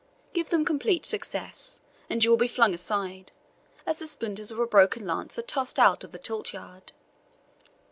Give them complete success, and you will be flung aside, as the splinters of a broken lance are tossed out of the tilt yard."